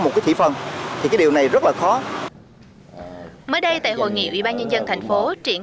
một cái thị phần thì cái điều này rất là khó mới đây tại hội nghị ủy ban nhân dân thành phố triển